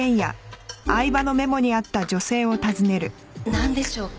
なんでしょうか？